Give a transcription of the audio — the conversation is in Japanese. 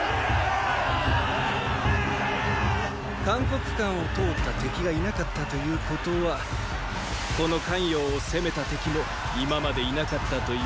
函谷関を通った敵がいなかったということはこの咸陽を攻めた敵も今までいなかったということ。